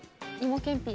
芋けんぴ。